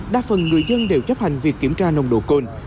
đa phần người dân đều chấp hành việc kiểm tra nồng độ cồn